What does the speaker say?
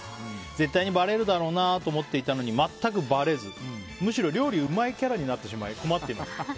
絶対にばれるだろうなと思っていたのに全くばれずむしろ料理うまいキャラになってしまい困っています。